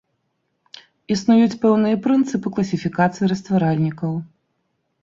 Існуюць пэўныя прынцыпы класіфікацыі растваральнікаў.